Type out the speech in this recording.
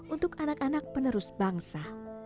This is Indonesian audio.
untuk anak anak penerus bangsa